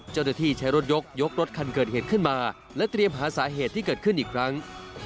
เจ้าหน้าที่ใช้รถยกยกรถคันเกิดเหตุขึ้นมาและเตรียมหาสาเหตุที่เกิดขึ้นอีกครั้ง